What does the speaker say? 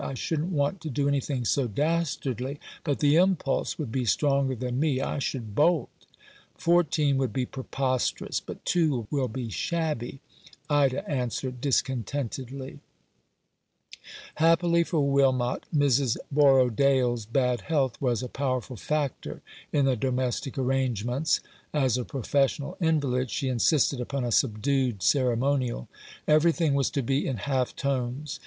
"I shouldn't want to do anything so dastardly, but the impulse would be stronger than me — I should bolt." " Fourteen would be preposterous, but two will be very shabby," Ida answered discontentedly. 298 For the Happiness of the Greatest Number, Happily for Wilmot, Mrs. Borrodaile's bad health was a powerful factor in the domestic arrange ■ ments. As a professional invalid, she insisted upon a subdued ceremonial. Everything was to be in half tones.